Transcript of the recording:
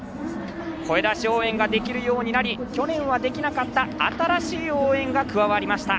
声出し応援ができるようになり去年はできなかった新しい応援が加わりました。